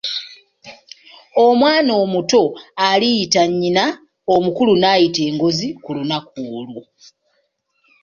Omwana omuto aliyita nnyina omukulu n’ayita engozi ku lunaku olwo.